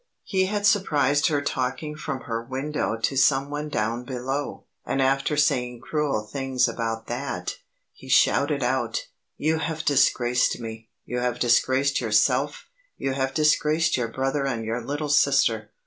He had surprised her talking from her window to someone down below, and after saying cruel things about that, he shouted out: "You have disgraced me, you have disgraced yourself, you have disgraced your brother and your little sister.